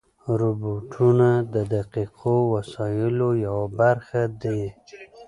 روبوټونه د دقیقو وسایلو یوه برخه دي.